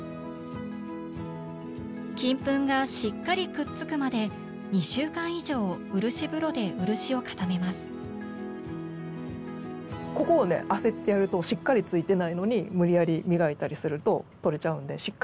金粉がしっかりくっつくまでここをね焦ってやるとしっかりついてないのに無理やり磨いたりすると取れちゃうんでしっかりひっついてから。